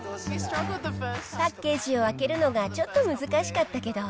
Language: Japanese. パッケージを開けるのがちょっと難しかったけど。